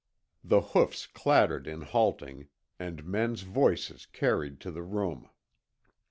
The hoofs clattered in halting, and men's voices carried to the room.